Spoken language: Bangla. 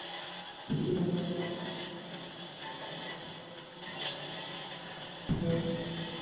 তিনিসহ আরও তিনজনকে বিভিন্ন মেয়াদে দেওয়া দণ্ডাদেশের কার্যকারিতাও স্থগিত করা হয়েছে।